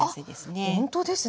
あっほんとですね。